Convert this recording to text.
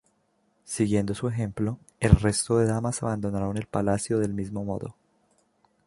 Siguiendo su ejemplo, el resto de damas abandonaron el palacio del mismo modo.